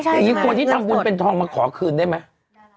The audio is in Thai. อย่างนี้คนที่ทำบุญเป็นทองมาขอคืนได้ไหม